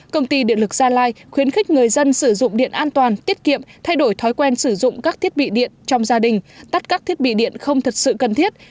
công ty điện lực gia lai khuyến khích người dân sử dụng điện an toàn tiết kiệm thay đổi thói quen sử dụng các thiết bị điện trong gia đình tắt các thiết bị điện không thật sự cần thiết